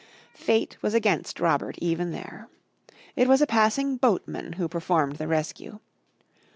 Fate was against Robert even there. It was a passing boatman who performed the rescue.